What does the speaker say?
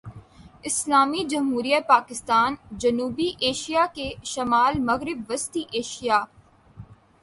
اسلامی جمہوریہ پاکستان جنوبی ایشیا کے شمال مغرب وسطی ایشیا